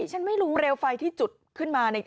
เปลวไฟที่จุดขึ้นมา